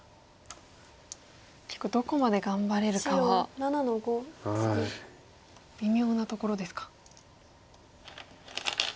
結構どこまで頑張れるかは微妙なところですか。